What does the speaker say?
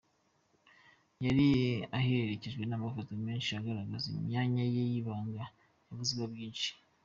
Yari aherekejwe n’amafoto menshi agaragaza imyanya ye y’ibanga yavuzweho byinshi.